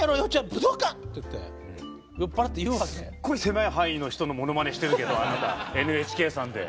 すっごい狭い範囲の人のものまねしてるけどあなたＮＨＫさんで。